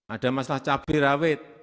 ada masalah cabai rawit